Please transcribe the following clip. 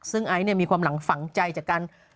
ซึ่งไอซ์มีความหลังฝังใจจากการ